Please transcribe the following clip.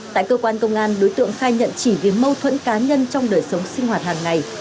tại cơ quan công an đối tượng khai nhận chỉ vì mâu thuẫn cá nhân trong đời sống sinh hoạt hàng ngày